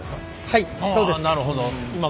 はい。